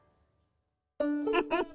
ウフフ。